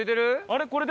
あれ？